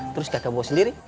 terus kakak gue sendiri